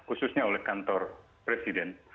khususnya oleh kantor presiden